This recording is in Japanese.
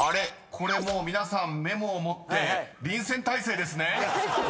これもう皆さんメモを持って臨戦態勢ですね］